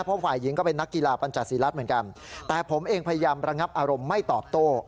เพราะฝ่ายหญิงก็เป็นนักกีฬาปัญจาศิรัตน์เหมือนกันแต่ผมเองพยายามระงับอารมณ์ไม่ตอบโต้